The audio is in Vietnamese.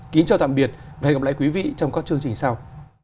kính chào tạm biệt và hẹn gặp lại quý vị trong các chương trình sau